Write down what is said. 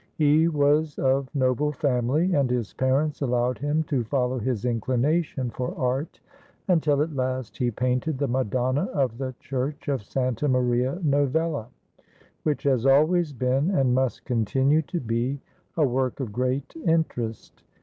He was of noble family, and his parents allowed him to follow his inclination for art, until at last he painted the Madonna of the Church of Santa Maria Novella, which has al ways been, and must continue to be, a work of great interest.